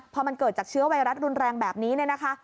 พอมันเกิดจากเชื้อไวรัสรุนแรงแบบนี้เนี่ยนะคะ